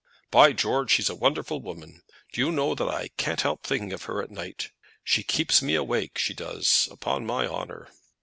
"By George! she's a wonderful woman. Do you know I can't help thinking of her at night. She keeps me awake; she does, upon my honour."